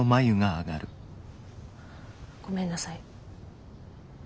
ごめんなさい。